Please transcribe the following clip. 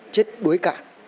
chết đối cản